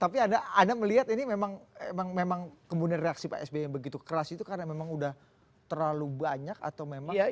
tapi anda melihat ini memang kemudian reaksi pak sby yang begitu keras itu karena memang udah terlalu banyak atau memang